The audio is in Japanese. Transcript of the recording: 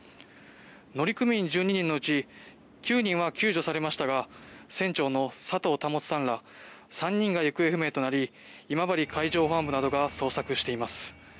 乗組員１２人のうち９人は救助されましたが船長の佐藤保さんら３人が行方不明となり今治海上保安部などが捜索しています。